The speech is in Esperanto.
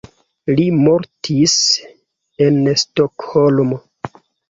Li mortis en Stokholmo.